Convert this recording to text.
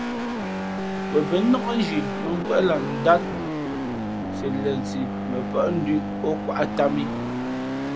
Wen bα̌ nnák nzhi mᾱnkwéʼ lah ndát si lensi mα pά ndʉ̄ʼ ǒ kwāʼ tām ī.